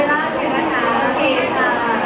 ไม่ต้องถามไม่ต้องถาม